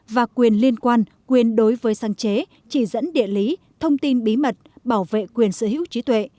và quyền liên quan quyền đối với sáng chế chỉ dẫn địa lý thông tin bí mật bảo vệ quyền sở hữu trí tuệ